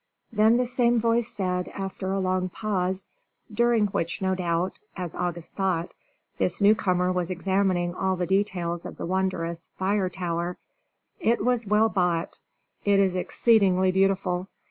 Then the same voice said, after a long pause, during which no doubt, as August thought, this newcomer was examining all the details of the wondrous fire tower, "It was well bought; it is exceedingly beautiful!